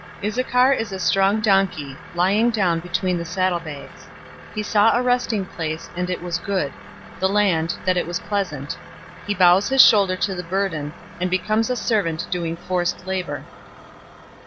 049:014 "Issachar is a strong donkey, lying down between the saddlebags. 049:015 He saw a resting place, that it was good, the land, that it was pleasant. He bows his shoulder to the burden, and becomes a servant doing forced labor.